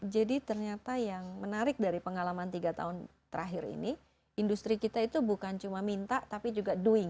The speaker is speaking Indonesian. jadi ternyata yang menarik dari pengalaman tiga tahun terakhir ini industri kita itu bukan cuma minta tapi juga doing